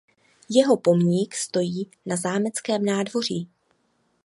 Jeho pomník stojí na zámeckém nádvoří.